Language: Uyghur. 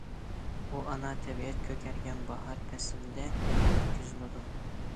ئۇ، ئانا تەبىئەت كۆكەرگەن باھار پەسلىدە ئۆتكۈزۈلىدۇ.